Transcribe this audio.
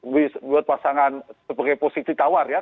buat pasangan sebagai posisi tawar ya